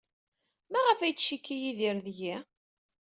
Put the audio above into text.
Maɣef ay yettcikki Yidir deg-i?